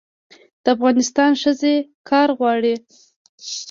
د افغانستان ښځې کار غواړي